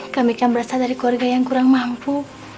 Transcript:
kami kan berasal dari keluarga yang kurang mampu